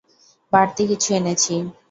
বাড়তি কিছু এনেছি।